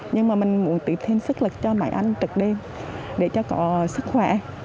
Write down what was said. nhưng mà mình muốn tự thêm sức lực cho mấy anh trực đi để cho có sức khỏe